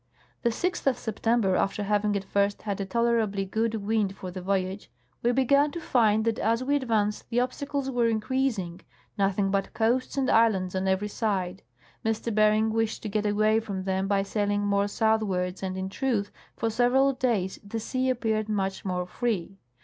" The 6th of September, after having at first had a tolerably good wind for the voyage, we began to find that as we advanced the obstacles were increasing, nothing but coasts and islands on every side. M. Bering wished to get away from them by sailing more southwards, and, in truth, for several days the sea appeared much more free.